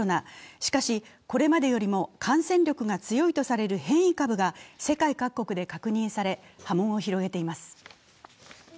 しかしこれまでよりも感染力が強いとされる変異株が世界各国で確認され、波紋を広げています。